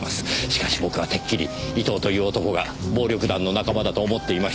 しかし僕はてっきり伊藤という男が暴力団の仲間だと思っていましたが。